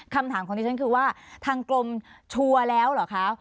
คำถามของดิฉันคือว่าทางกรมชัวร์แล้วเหรอคะ